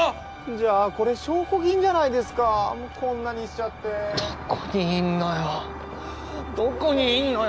じゃあこれ証拠品じゃないですかこんなにしちゃってどこにいんのよどこにいんのよ